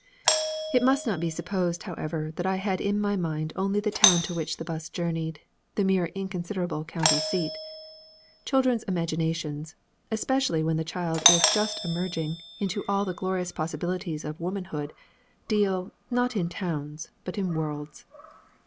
It must not be supposed, however, that I had in mind only the town to which the 'bus journeyed, the mere inconsiderable county seat. Children's imaginations, especially when the child is just emerging into all the glorious possibilities of womanhood, deal, not in towns, but in worlds.